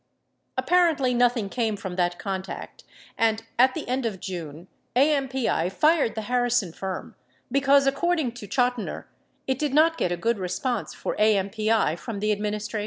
28 Apparently nothing came from that contact and, at the end of June, AMPI fired the Har rison firm, because, according to Chotiner, it did not get a good response for AMPI from the administration.